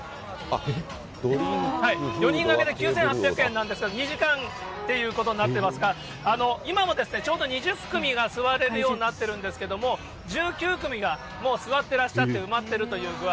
４人がけで９８００円なんですが、２時間ということになってますが、今もちょうど２０組が座れるようになってるんですけれども、１９組がもう座ってらっしゃって埋まってるという具合。